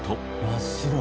真っ白。